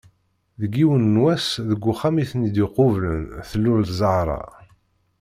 Deg yiwen n wass deg uxxam i ten-id-iqublen tlul Zahra.